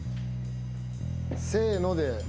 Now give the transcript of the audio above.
せーので。